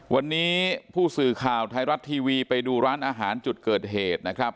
วันนี้ผู้สื่อข่าวไทยรัฐทีวีไปดูร้านอาหารจุดเกิดเหตุนะครับ